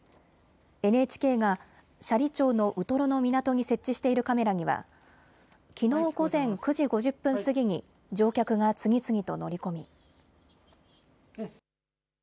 ＮＨＫが斜里町のウトロの港に設置しているカメラにはきのう午前９時５０分過ぎに乗客が次々と乗り込み。